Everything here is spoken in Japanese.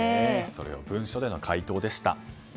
それを文書での回答でした。